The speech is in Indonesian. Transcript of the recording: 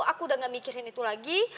aku udah gak mikirin itu lagi